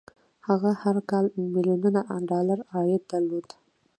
هغه هر کال ميليونونه ډالر عايد درلود.